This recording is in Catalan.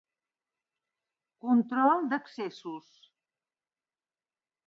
Control d'Accessos.